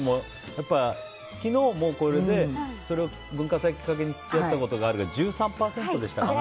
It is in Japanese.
昨日もこれで文化祭をきっかけに付き合ったことがあるが１３％でしたっけ？